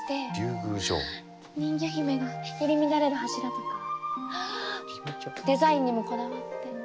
人魚姫が入り乱れる柱とかデザインにもこだわって。